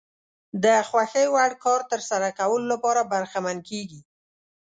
د خوښې وړ کار ترسره کولو لپاره برخمن کېږي.